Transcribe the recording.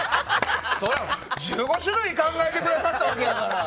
１５種類考えてくださったわけやから。